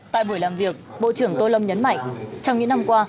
tại buổi làm việc bộ trưởng tô lâm nhấn mạnh trong những năm qua